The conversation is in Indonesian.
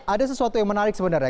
ada sesuatu yang menarik sebenarnya